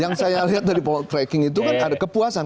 yang saya lihat dari tracking itu kan ada kepuasan